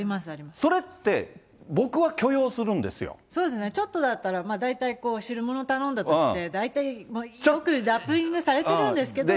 それって、そうですね、ちょっとだったら、大体こう、汁物頼んだときって、大体ラッピングされてるんですけど。